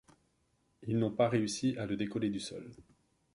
Ils n'ont pas réussi à le décoller du sol.